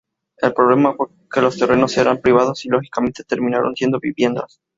El problema fue que los terrenos eran privados y lógicamente terminaron siendo viviendas.